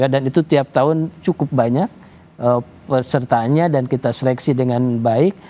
dan itu tiap tahun cukup banyak persertaannya dan kita seleksi dengan baik